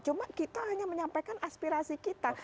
cuma kita hanya menyampaikan aspirasi kita